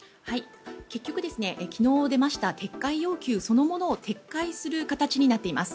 結局、昨日出ました撤回要求そのものを撤回する形になっています。